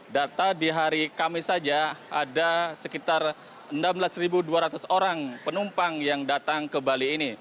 data di hari kamis saja ada sekitar enam belas dua ratus orang penumpang yang datang ke bali ini